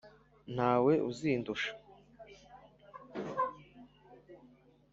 nta we uzindusha.